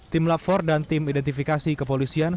tim lafor dan tim identifikasi kepolisian